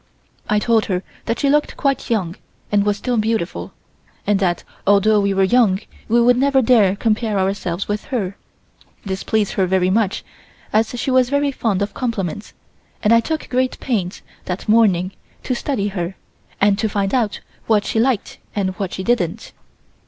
I told her that she looked quite young and was still beautiful, and that although we were young we would never dare compare ourselves with her. This pleased her very much, as she was very fond of compliments, and I took great pains that morning to study her and to find out what she liked and what she didn't.